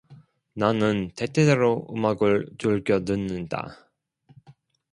나는 때때로 음악을 즐겨 듣는다.